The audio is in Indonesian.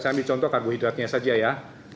saya ambil contoh karbohidratnya saja ya